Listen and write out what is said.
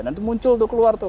dan itu muncul tuh keluar tuh